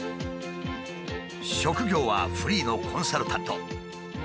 職業はフリーのコンサルタント。